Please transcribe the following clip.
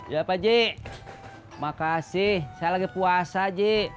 ya pak j makasih saya lagi puasa ji